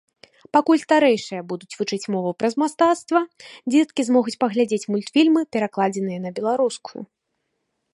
Пакуль старэйшыя будуць вучыць мову праз мастацтва, дзеткі змогуць паглядзець мультфільмы, перакладзеныя на беларускую.